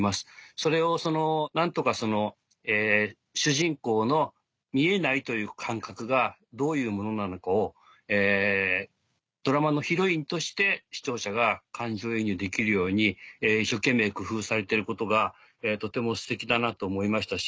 それを何とかその主人公の見えないという感覚がどういうものなのかをドラマのヒロインとして視聴者が感情移入できるように一生懸命工夫されてることがとてもステキだなと思いましたし。